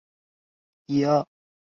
他心疼小孙女